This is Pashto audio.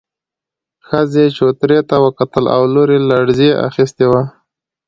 ښځې چوترې ته وکتل، لور يې لړزې اخيستې وه.